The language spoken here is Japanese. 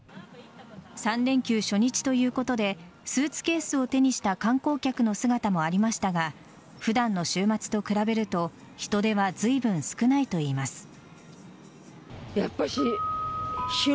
３連休初日ということでスーツケースを手にした観光客の姿もありましたが普段の週末と比べると人出はずいぶん少ないといいます。